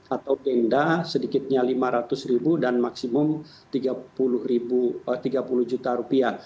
atau denda sedikitnya lima ratus ribu dan maksimum tiga puluh juta rupiah